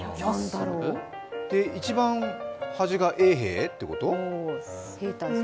一番端が衛兵ってこと？